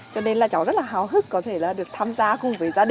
cho nên là cháu rất là hào hức có thể là được tham gia cùng với gia đình